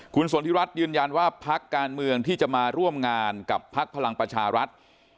คุณสนทิรัฐยืนยันว่าพักการเมืองที่จะมาร่วมงานกับพักพลังประชารัฐ